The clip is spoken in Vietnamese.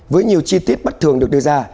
với nhiều chi tiết bất thường được đưa ra